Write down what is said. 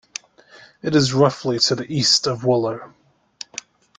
It is roughly to the east of Wooler.